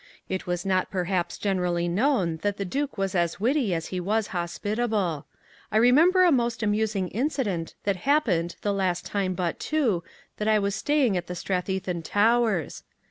It was not perhaps generally known that the Duke was as witty as he was hospitable. I recall a most amusing incident that happened the last time but two that I was staying at Strathythan Towers.